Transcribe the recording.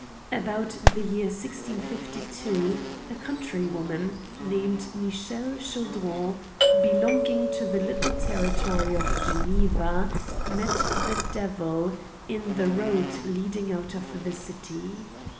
About the year 1652, a country woman, nam ed Michelle Chaudron^ belonging to the little ter ritory of Geneva, met the Devil, in the road lead ing out of the city.